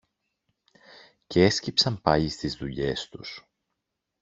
και έσκυψαν πάλι στις δουλειές τους